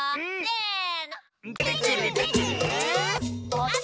えっ！